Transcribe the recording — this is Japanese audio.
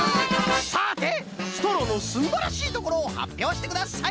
さてストローのすんばらしいところをはっぴょうしてください！